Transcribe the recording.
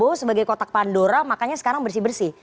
tapi kamu sebagai kotak pandora makanya sekarang bersih bersih